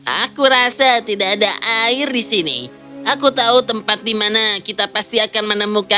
aku rasa tidak ada air di sini aku tahu tempat dimana kita pasti akan menemukan